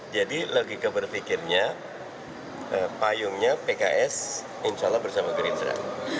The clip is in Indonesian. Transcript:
jadi logika berpikirnya payungnya pks insya allah bersama gerindra